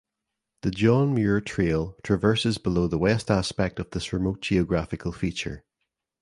The John Muir Trail traverses below the west aspect of this remote geographical feature.